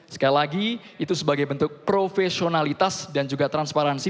sekali lagi itu sebagai bentuk profesionalitas dan juga transparansi